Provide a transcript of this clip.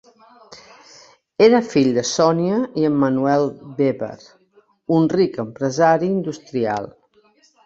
Era fill de Sonia i Emmanuel Weber, un ric empresari industrial.